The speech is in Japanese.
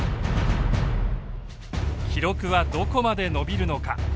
記録はどこまで伸びるのか。